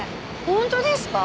本当ですか？